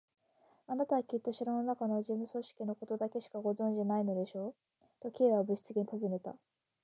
「あなたはきっと城のなかの事務組織のことだけしかご存じでないのでしょう？」と、Ｋ はぶしつけにたずねた。